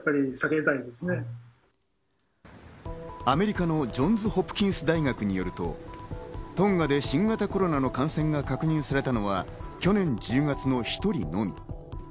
アメリカのジョンズ・ホプキンス大学によると、トンガで新型コロナウイルスの感染が確認されたのは去年１０月の１人のみ。